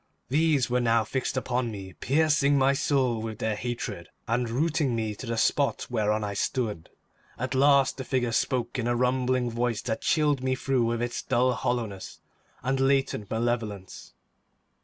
These were now fixed upon me, piercing my soul with their hatred, and rooting me to the spot whereon I stood. At last the figure spoke in a rumbling voice that chilled me through with its dull hollowness and latent malevolence.